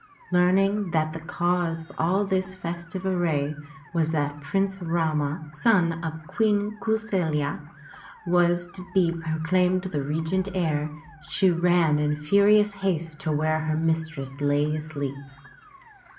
Learning that the cause of all this festive array was that Prince Rama, son of Queen Kau saFya, was to be pro claimed the regent heir, she ran in furious haste to where her mistress lay asleep.